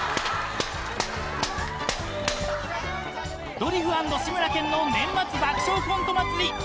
「ドリフ＆志村けんの年末爆笑コント祭り！」。